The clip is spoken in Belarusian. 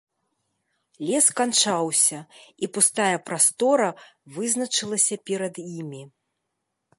Лес канчаўся, і пустая прастора вызначылася перад імі.